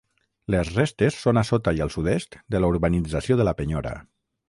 Les restes són a sota i al sud-est de la urbanització de la Penyora.